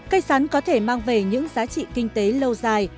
cây sắn có thể mang về những giá trị kinh tế lâu dài